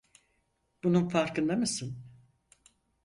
Bunun farkında mısın?